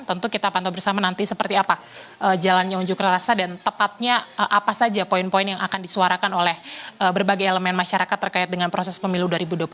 tentu kita pantau bersama nanti seperti apa jalannya unjuk rasa dan tepatnya apa saja poin poin yang akan disuarakan oleh berbagai elemen masyarakat terkait dengan proses pemilu dua ribu dua puluh empat